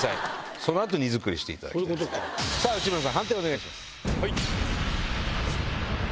内村さん判定をお願いします。